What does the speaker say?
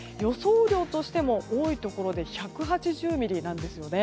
雨量としても多いところで１８０ミリなんですよね。